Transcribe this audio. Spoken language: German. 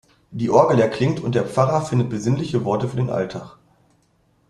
Die Orgel erklingt, und der Pfarrer findet besinnliche Worte für den Alltag.